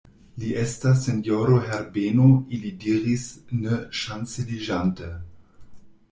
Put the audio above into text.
Li estas sinjoro Herbeno, ili diris ne ŝanceliĝante.